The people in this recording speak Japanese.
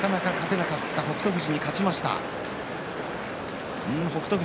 なかなか勝てなかった北勝富士に勝ちました。